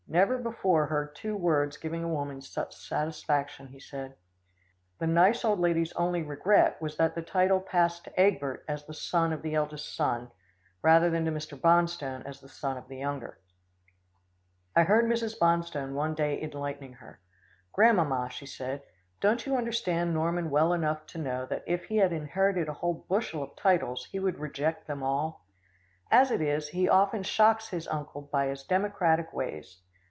"Never before heard of two words giving a woman such satisfaction," he said. The nice old lady's only regret was that the title passed to Egbert as the son of the eldest son, rather than to Mr. Bonstone as the son of the younger. I heard Mrs. Bonstone one day enlightening her. "Grandmamma," she said, "don't you understand Norman well enough to know that if he had inherited a whole bushel of titles, he would reject them all? As it is, he often shocks his uncle by his democratic ways.